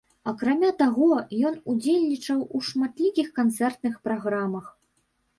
Акрамя таго, ён удзельнічаў у шматлікіх канцэртных праграмах.